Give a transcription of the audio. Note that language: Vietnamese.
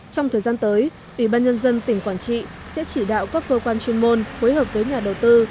trong thời gian tới ủy ban nhân dân tỉnh quảng trị sẽ chỉ đạo các cơ quan chuyên môn phối hợp với nhà đầu tư